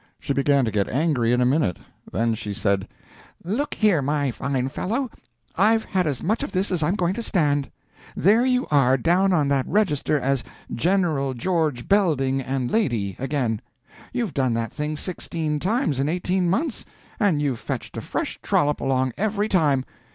She began to get angry in a minute. Then she said: "Look here, my fine fellow, I've had as much of this as I'm going to stand. There you are, down on that register as 'Gen. George Belding and lady,' again. You've done that thing sixteen times in eighteen months, and you've fetched a fresh trollop along every time.